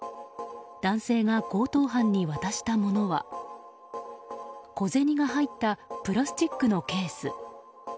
男性が強盗犯に渡したものは小銭が入ったプラスチックのケース。